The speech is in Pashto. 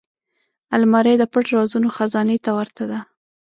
الماري د پټ رازونو خزانې ته ورته ده